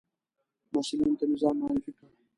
محصلینو ته مې ځان معرفي کړ.